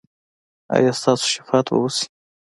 ایا ستاسو شفاعت به وشي؟